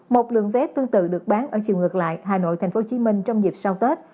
một lượng vé tương tự được bán ở chiều ngược lại hà nội tp hcm trong dịp sau tết